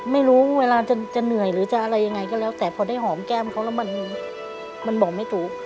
ไม่รู้เวลาจะเหนื่อยหรือจะอะไรยังไงก็แล้วแต่พอได้หอมแก้มเขาแล้วมันบอกไม่ถูก